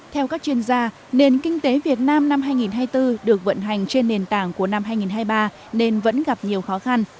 theo các chuyên gia nền kinh tế việt nam năm hai nghìn hai mươi bốn được vận hành trên nền tảng của năm hai nghìn hai mươi ba nên vẫn gặp nhiều khó khăn